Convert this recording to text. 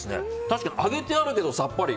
確かに揚げてあるけどさっぱり。